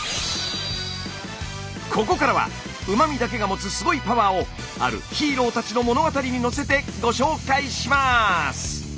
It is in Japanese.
ここからはうま味だけが持つすごいパワーをあるヒーローたちの物語に乗せてご紹介します。